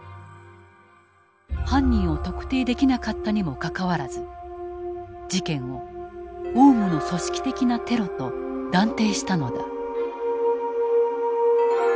犯人を特定できなかったにもかかわらず事件をオウムの組織的なテロと断定したのだ。